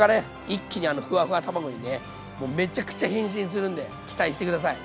一気にあのフワフワ卵にねめちゃくちゃ変身するんで期待して下さい！